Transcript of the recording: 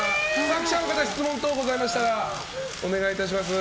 記者の方質問等ありましたらお願いします。